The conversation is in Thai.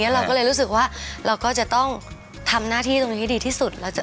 เราก็เลยรู้สึกว่าเราก็จะต้องทำหน้าที่ตรงนี้ให้ดีที่สุด